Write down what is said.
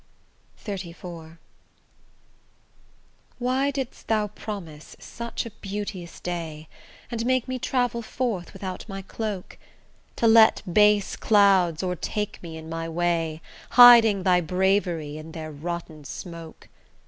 XXXIV Why didst thou promise such a beauteous day, And make me travel forth without my cloak, To let base clouds o'ertake me in my way, Hiding thy bravery in their rotten smoke?